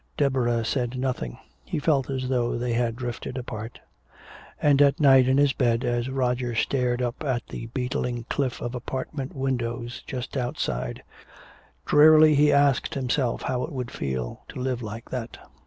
Deborah said nothing. He felt as though they had drifted apart. And at night in his bed, as Roger stared up at the beetling cliff of apartment windows just outside, drearily he asked himself how it would feel to live like that.